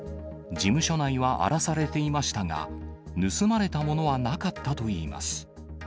事務所内は荒らされていましたが、盗まれたものはなかったといいます。